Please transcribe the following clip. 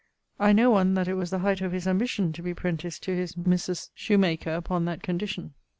I know one that it was the hight of his ambition to be prentice to his mris<'s> shoemaker upon that condicion.